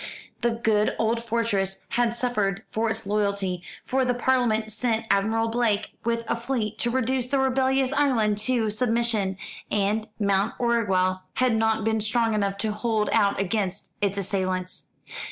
The good old fortress had suffered for its loyalty, for the Parliament sent Admiral Blake, with a fleet, to reduce the rebellious island to submission, and Mount Orgueil had not been strong enough to hold out against its assailants.